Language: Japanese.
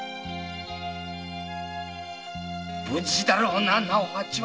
無事だろうな直八は！